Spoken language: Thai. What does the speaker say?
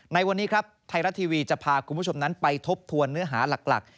ในวันนี้ครับไทยรัฐทีวีจะพาคุณผู้ชมนั้นไปทบทวนเนื้อหาหลัก